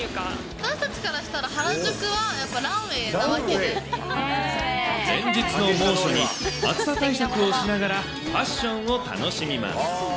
私たちからしたら、原宿はや連日の猛暑に、暑さ対策をしながら、ファッションを楽しみます。